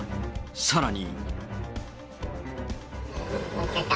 さらに。